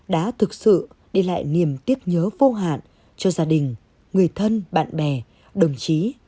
đã thực sự để lại niềm tiếc nhớ vô hạn cho gia đình người thân bạn bè đồng chí